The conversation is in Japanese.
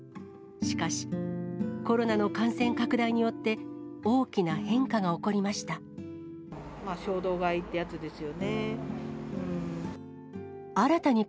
しかし、コロナの感染拡大によって、大きな変化が起こりました。